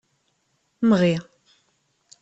Mɣi.